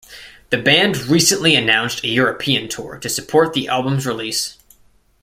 The band recently announced a European tour to support the album's release.